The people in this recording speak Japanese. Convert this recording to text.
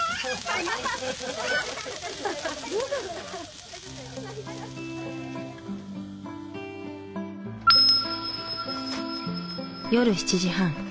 ア！夜７時半。